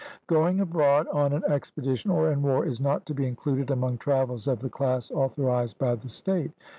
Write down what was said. Going abroad on an expedition or in war is not to be included among travels of the class authorised by the state.